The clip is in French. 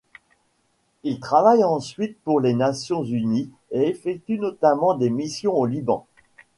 Il travaille ensuite pour les Nations unies et effectue notamment des missions au Liban.